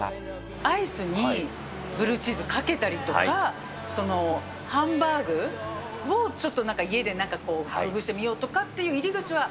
アイスにブルーチーズかけたりとか、そのハンバーグをちょっとなんか家でなんかこう、工夫してみようかっていうような入り口は。